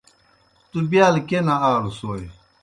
تُوْ بِیال کیْہ نہ آلوْسوئے؟